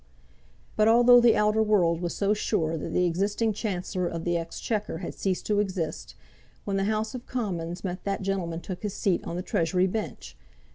But although the outer world was so sure that the existing Chancellor of the Exchequer had ceased to exist, when the House of Commons met that gentleman took his seat on the Treasury Bench.